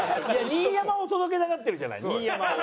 新山を届けたがってるじゃない新山を。